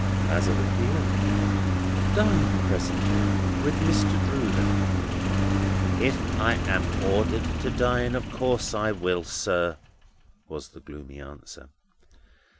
Bazzard reappeared. "Dine presently with Mr. Drood and me." "If I am ordered to dine, of course I will, sir," was the gloomy answer.